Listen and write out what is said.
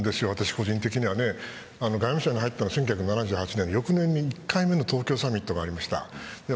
個人的には外務省に入ったの１９７８年翌年に１回目の東京サミットがありました。